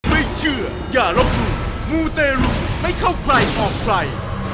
ไม่เชื่ออย่าลบหลู่มูเตรุไม่เข้าใครออกใคร